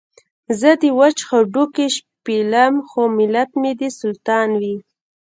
زه دې وچ هډوکي شپېلم خو ملت مې دې سلطان وي.